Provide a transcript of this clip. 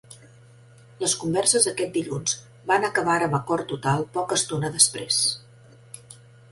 Les converses aquest dilluns van acabar amb acord total poca estona després.